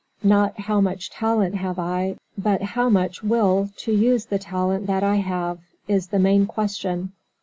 Not how much talent have I, but how much will to use the talent that I have, is the main question.